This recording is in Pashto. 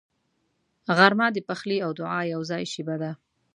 غرمه د پخلي او دعا یوځای شیبه ده